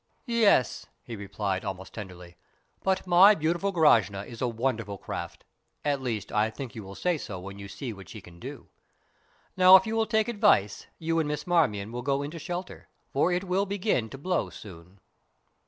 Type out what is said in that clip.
"Yes," he replied, almost tenderly; "but my beautiful Grashna is a wonderful craft at least, I think you will say so when you see what she can do. Now, if you will take advice, you and Miss Marmion will go into shelter, for it will begin to blow soon."